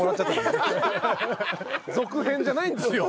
続編じゃないんですよ